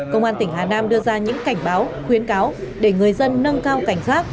công an tỉnh hà nam đưa ra những cảnh báo khuyến cáo để người dân nâng cao cảnh giác